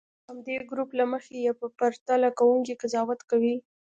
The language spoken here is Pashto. د همدې ګروپ له مخې یې په پرتله کوونې قضاوت کوي.